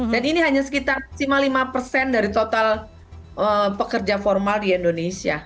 dan ini hanya sekitar lima puluh lima dari total pekerja formal di indonesia